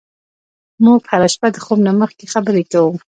موږ هره شپه د خوب نه مخکې خبرې کوو.